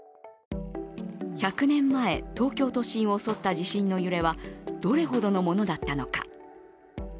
１００年前、東京都心を襲った地震の揺れはどれほどのものだったのか。